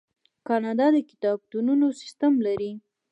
کاناډا د کتابتونونو سیستم لري.